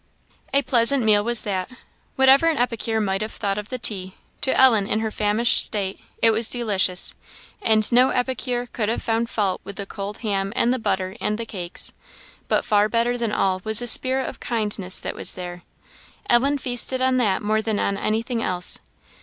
A pleasant meal was that. Whatever an epicure might have thought of the tea, to Ellen, in her famished state, it was delicious; and no epicure could have found fault with the cold ham and the butter and the cakes but far better than all was the spirit of kindness that was there. Ellen feasted on that more than on anything else.